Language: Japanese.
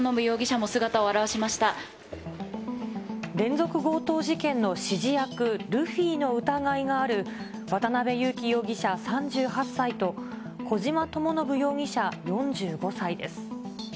連続強盗事件の指示役、ルフィの疑いがある渡辺優樹容疑者３８歳と、小島智信容疑者４５歳です。